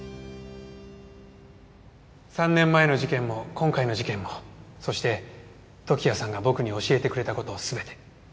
３年前の事件も今回の事件もそして時矢さんが僕に教えてくれた事全て。